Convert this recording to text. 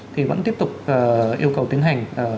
thì vẫn tiếp tục yêu cầu tiến hành